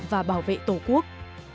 và bảo vệ tổ quốc